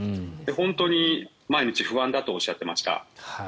本当に毎日不安だとおっしゃっていました。